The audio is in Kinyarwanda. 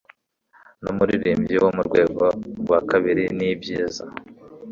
Numuririmbyi wo murwego rwa kabiri nibyiza.